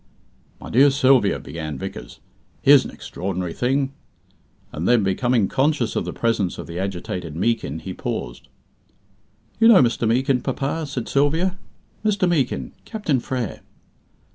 "My dear Sylvia," began Vickers, "here's an extraordinary thing!" and then, becoming conscious of the presence of the agitated Meekin, he paused. "You know Mr. Meekin, papa?" said Sylvia. "Mr. Meekin, Captain Frere."